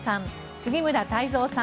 杉村太蔵さん